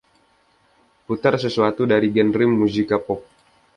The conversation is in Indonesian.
Putar sesuatu dari genre muzyka pop